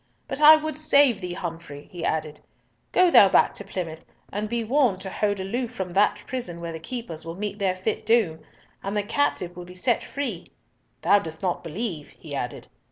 "But I would save thee, Humfrey," he added. "Go thou back to Plymouth, and be warned to hold aloof from that prison where the keepers will meet their fit doom! and the captive will be set free. Thou dost not believe," he added.